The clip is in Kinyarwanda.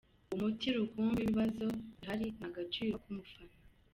Umuti rukumbi w’ibibazo bihari ni agaciro k’umufana.